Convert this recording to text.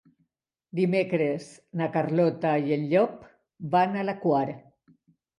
Dimecres na Carlota i en Llop van a la Quar.